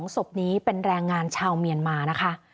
๒ศพนี้เป็นแรงงานชาวเมียนมานะคะ